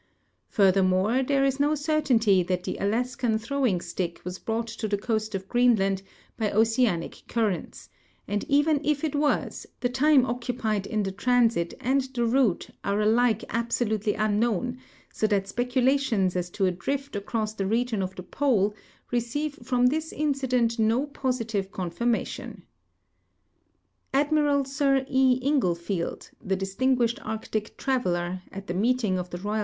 Furthermore, there is no certainty that tlie ,\laskan throwing stick was l»rought to the coast of Greenland Ijy oceanic currents, and even if it was, the time occupied in the transit and the route are alike abso lutely unknown, so that speculations as to a drift across the region of the I'ole receive from this incident no ))ositive con tirmation. Ailmiral Sir E. Inglefield, the distinguished Arctic traveler, at the meeting of the Koval